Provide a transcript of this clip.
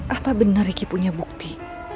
apa bener iki punya bukti